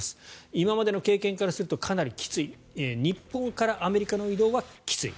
今までの経験からするとかなりきつい日本からアメリカへの移動はきつい。